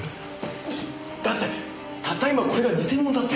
だってたった今これが偽物だって。